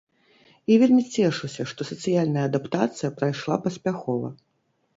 І вельмі цешуся, што сацыяльная адаптацыя прайшла паспяхова.